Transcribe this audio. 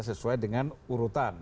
sesuai dengan urutan